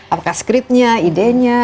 apakah scriptnya idenya